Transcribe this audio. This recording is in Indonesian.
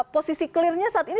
posisi clear nya saat ini